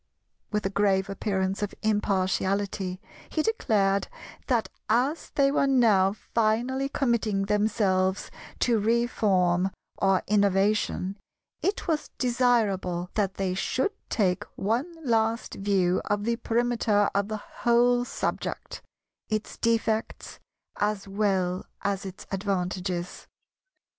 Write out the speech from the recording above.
With a grave appearance of impartiality he declared that as they were now finally committing themselves to Reform or Innovation, it was desirable that they should take one last view of the perimeter of the whole subject, its defects as well as its advantages.